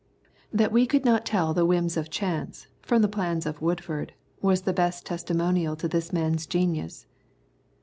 That we could not tell the whims of chance from the plans of Woodford was the best testimonial to this man's genius.